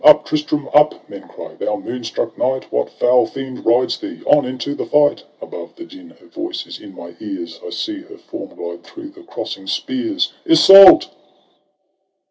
' Up, Tristram, up,' men cry, 'thou moonstruck knight ! What foul fiend rides thee? On into the fight!' — Above the din her voice is in my ears; I see her form glide through the crossing spears. — Iseult!